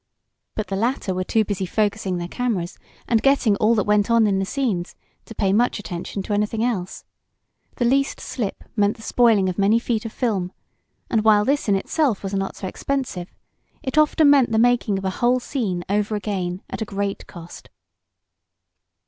But the latter were too busy focusing their cameras, and getting all that went on in the scenes, to pay much attention to anything else. The least slip meant the spoiling of many feet of film, and while this in itself was not so expensive, it often meant the making of a whole scene over again at a great cost.